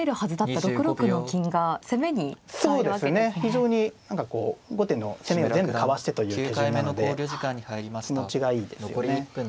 非常に何かこう後手の攻めを全部かわしてという手順なので気持ちがいいですよね。